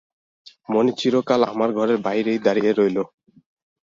মণি চিরকাল আমার ঘরের বাইরেই দাঁড়িয়ে রইল।